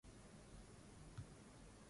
kupitia mtandao wa kijamii facebook